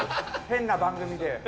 変な番組で。